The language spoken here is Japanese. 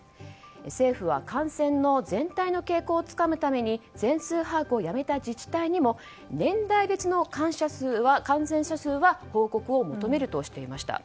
政府は感染の全体の傾向をつかむために全数把握をやめた自治体にも年代別の感染者数は報告を求めるとしていました。